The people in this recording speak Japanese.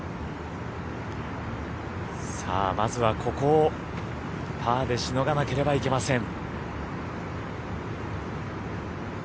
まずはここをパーでしのがなければいけません。